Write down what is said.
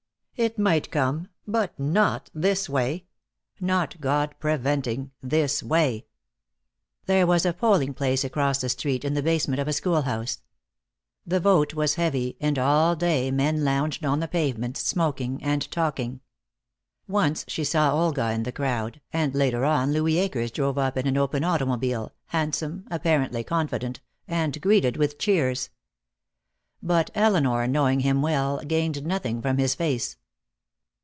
It might come, but not this way. Not, God preventing, this way. There was a polling place across the street, in the basement of a school house. The vote was heavy and all day men lounged on the pavements, smoking and talking. Once she saw Olga in the crowd, and later on Louis Akers drove up in an open automobile, handsome, apparently confident, and greeted with cheers. But Elinor, knowing him well, gained nothing from his face.